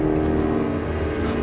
kau dan ayahmu akan mencari